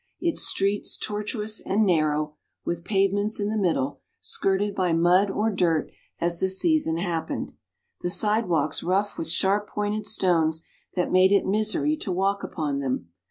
Its streets tortuous and narrow, with pavements in the middle, skirted by mud or dirt as the season happened. The sidewalks rough with sharp pointed stones, that made it misery to walk upon them.